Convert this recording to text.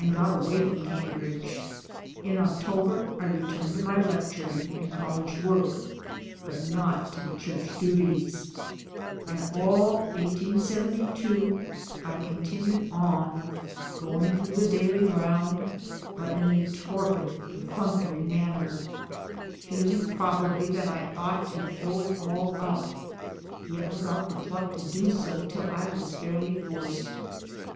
got away from Cambridge. In October I returned to my lecturing arid College work, but not to the church duties ; and all '72 I continued on, going through the daily round 1 but in a torpid, per , CAMBRIDGE! 67, functory manner feeling probably, that I ought to throw it all up, yet without the pluck to do so till I was fairly forced.